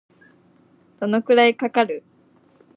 どのくらいかかる